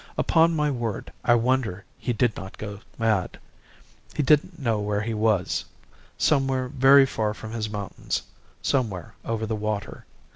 Upon my word, I wonder he did not go mad. He didn't know where he was. Somewhere very far from his mountains somewhere over the water.